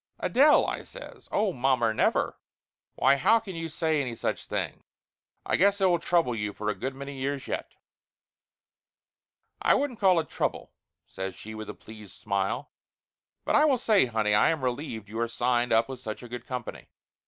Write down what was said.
"Adele!" I says. "Oh, mommer, never! Why how can you say any such thing? I guess I will trouble you for a good many years yet !" "I wouldn't call it trouble," says she with a pleased smile. "But I will say, honey, I am relieved you are signed up with such a good company.